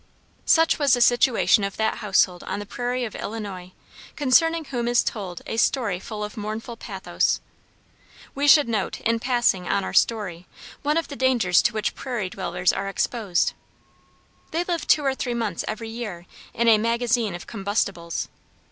Such was the situation of that household on the prairie of Illinois, concerning whom is told a story full of mournful pathos. We should note, in passing on to our story, one of the dangers to which prairie dwellers are exposed. They live two or three months every year in a magazine of combustibles.